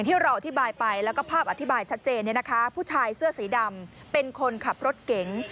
เจนเนี่ยนะคะผู้ชายเสื้อสีดำเป็นคนขับรถเก๋ง